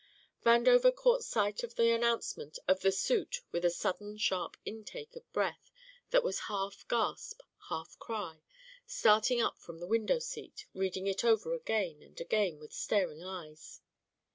Vandover caught sight of the announcement of the suit with a sudden sharp intake of breath that was half gasp, half cry, starting up from the window seat, reading it over again and again with staring eyes.